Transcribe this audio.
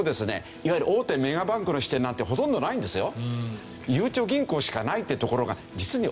いわゆる大手メガバンクの支店なんてほとんどないんですよ。